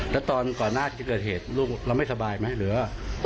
แล้วตอนก่อนหน้าที่เกิดเหตุลูกเราไม่สบายไหมหรือว่า